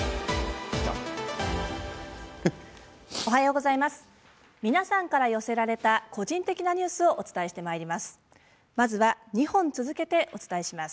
おはようございます皆さんから寄せられた個人的なニュースをお伝えしてまいります。